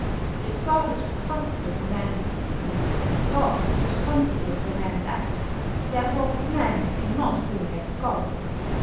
If God is responsible for Man's existence, God is responsible for Man's act. Therefore Man cannot sin against God.